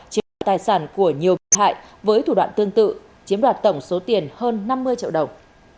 chiếm đoạt tài sản của nhiều bị hại với thủ đoạn tương tự chiếm đoạt tổng số tiền hơn năm mươi triệu đồng